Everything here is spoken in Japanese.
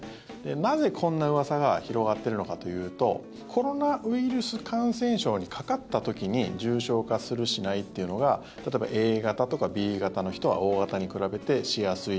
なぜ、こんなうわさが広がっているのかというとコロナウイルス感染症にかかった時に重症化する、しないというのが例えばＡ型とかＢ型の人はＯ型に比べてしやすい。